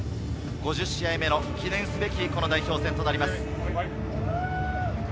５０試合目の記念すべき代表戦となります。